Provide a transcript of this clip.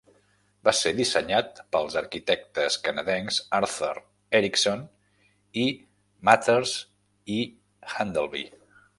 Va ser dissenyat pels arquitectes canadencs Arthur Erickson i Mathers i Haldenby.